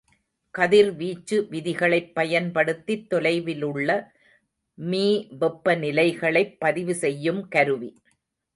கதிர்வீச்சு விதிகளைப் பயன்படுத்தித் தொலைவிலுள்ள மீவெப்பநிலைகளைப் பதிவு செய்யும் கருவி.